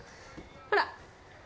ほら。